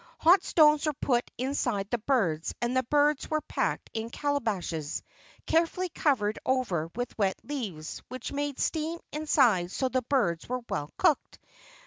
Hot stones were put inside the birds and the birds were packed in calabashes, carefully covered over with wet leaves, which made steam inside so the birds were well cooked.